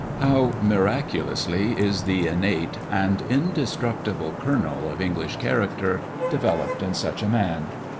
How miraculously is the innate and indestructible kernel of English character developed in such a man!